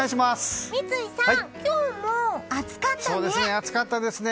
三井さん、今日も暑かったね！